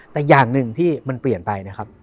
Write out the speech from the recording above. แต่อย่างหนึ่งที่มันเปลี่ยนไป